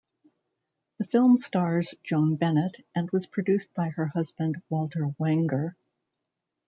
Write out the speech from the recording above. The film stars Joan Bennett and was produced by her husband Walter Wanger.